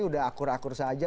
sudah akur akur saja